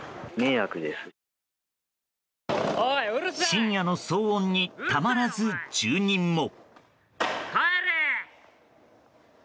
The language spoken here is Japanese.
深夜の騒音にたまらず住人も。